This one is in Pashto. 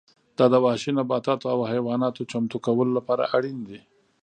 دا د وحشي نباتاتو او حیواناتو چمتو کولو لپاره اړین دي